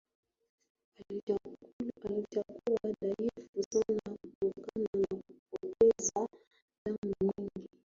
Alishakuwa dhaifu sana kutokana na kupoteza damu nyingi